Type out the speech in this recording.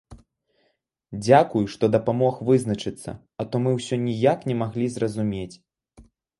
Дзякуй, што дапамог вызначыцца, а то мы ўсё ніяк не маглі зразумець.